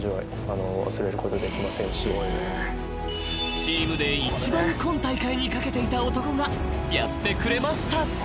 ［チームで一番今大会に懸けていた男がやってくれました］